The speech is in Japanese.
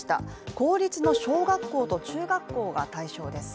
公立の小学校と中学校が対象です。